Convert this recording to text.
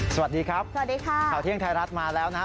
สวัสดีครับสวัสดีค่ะข่าวเที่ยงไทยรัฐมาแล้วนะฮะ